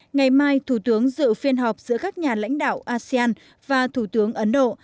ngày mai thủ tướng dự phiên họp giữa các nhà lãnh đạo asean và thủ tướng ấn độ